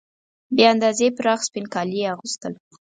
بې اندازې پراخ سپین کالي یې اغوستل.